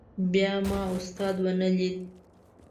بیا ما استاد ونه لید.